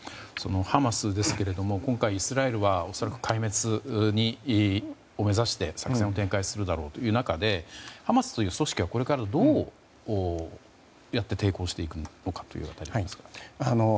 ハマスですが今回イスラエルは壊滅を目指して作戦を展開するだろうという中でハマスという組織はこれからどうやって抵抗していくんでしょうか。